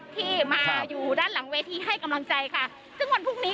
ที่มาอยู่ด้านหลังเวทีให้กำลังใจค่ะซึ่งวันพรุ่งนี้